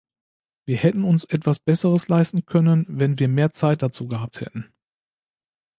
Wir hätten uns etwas Besseres leisten können, wenn wir mehr Zeit dazu gehabt hätten.